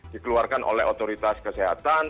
dikeluarkan oleh otoritas kesehatan